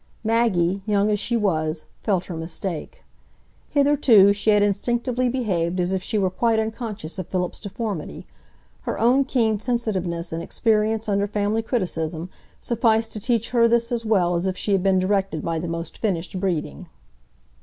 Maggie, young as she was, felt her mistake. Hitherto she had instinctively behaved as if she were quite unconscious of Philip's deformity; her own keen sensitiveness and experience under family criticism sufficed to teach her this as well as if she had been directed by the most finished breeding.